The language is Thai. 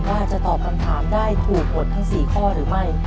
ว่าจะตอบคำถามได้ถูกหมดทั้ง๔ข้อหรือไม่